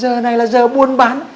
giờ này là giờ buôn bán